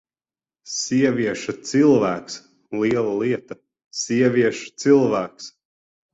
Sievieša cilvēks! Liela lieta: sievieša cilvēks!